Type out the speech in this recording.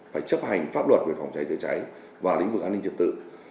phải chấp hành pháp luật về phòng cháy chế cháy và lĩnh vực an ninh trực tự